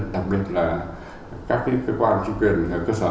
đặc biệt là các cơ quan chính quyền ở cơ sở